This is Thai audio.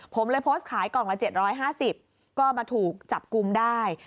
ผมเลยโพสต์ขายกล่องละ๗๕๐ก็มาถูกจับกลุ่มได้